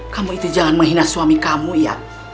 kamu itu jangan menghina suami kamu ya